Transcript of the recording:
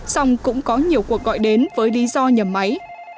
xong cũng có nhiều cuộc gọi đến với lý do nhầm máy